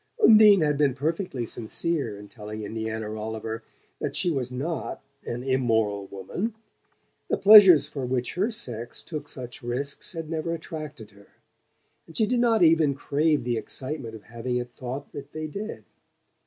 Undine had been perfectly sincere in telling Indiana Rolliver that she was not "an Immoral woman." The pleasures for which her sex took such risks had never attracted her, and she did not even crave the excitement of having it thought that they did.